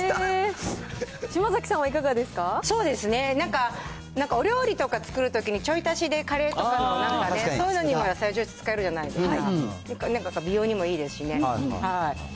そうですね、なんかお料理とか作るときにちょい足しでカレーとかにも、なんかね、そういうのにも野菜ジュース使えるじゃないですか、なんか美容にもいいですしね。